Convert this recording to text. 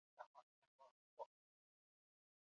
还有一个附属建筑与叫拜楼相连。